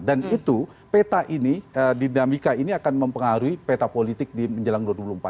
dan itu peta ini dinamika ini akan mempengaruhi peta politik di menjelang dua puluh empat tahun